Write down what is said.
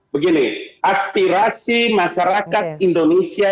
begini aspirasi masyarakat indonesia